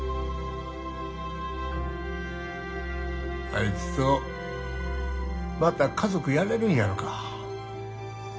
あいつとまた家族やれるんやろか。